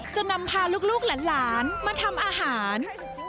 จะนำพาลูกหลานมาทำอาหาร